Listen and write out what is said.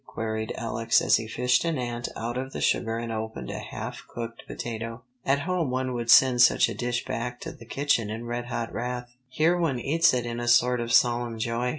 queried Alex as he fished an ant out of the sugar and opened a half cooked potato. "At home one would send such a dish back to the kitchen in red hot wrath. Here one eats it in a sort of solemn joy."